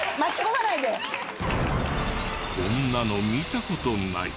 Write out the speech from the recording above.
こんなの見た事ない。